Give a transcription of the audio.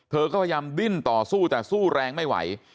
เธอก็พยายามดิ้นต่อสู้แต่สู้แรงไม่ไหว